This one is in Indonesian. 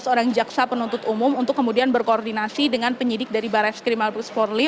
lima belas orang jaksa penuntut umum untuk kemudian berkoordinasi dengan penyidik dari barat skrimal pusporli